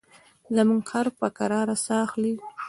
زموږ خر په کراره ساه اخلي.